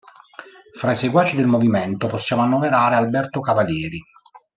Fra i seguaci del movimento possiamo annoverare Alberto Cavalieri.